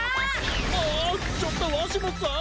おおちょっとわしもさん。